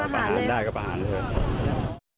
ปลาหาลได้ก็ปลาหาลเถอะ